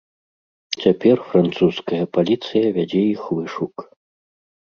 Цяпер французская паліцыя вядзе іх вышук.